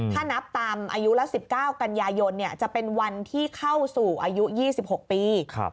ถ้านับตามอายุละ๑๙กันยายนจะเป็นวันที่เข้าสู่อายุ๒๖ปี